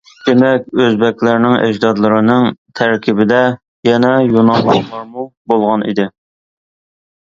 دېمەك، ئۆزبېكلەرنىڭ ئەجدادلىرىنىڭ تەركىبىدە يەنە يۇنانلىقلارمۇ بولغانىدى.